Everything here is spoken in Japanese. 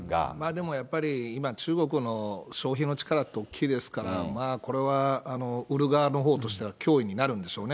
でもやっぱり、今、中国の消費の力って大きいですから、これは売る側のほうとしては脅威になるんでしょうね。